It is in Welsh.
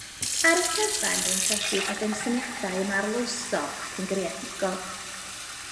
Ar y cyfan rwy'n credu bod ein syniadau yn arloesol ac yn greadigol